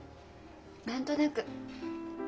何となく。